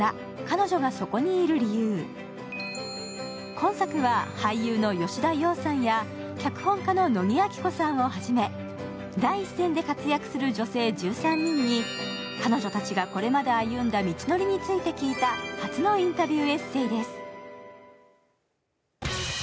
今作は、俳優の吉田羊さんや脚本家の野木亜紀子さんをはじめ、第一線で活躍する女性１３人に彼女たちがこれまで歩んだ道のりについて聞いた初のインタビューエッセーです。